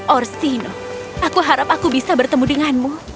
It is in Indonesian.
orsino aku harap aku bisa bertemu denganmu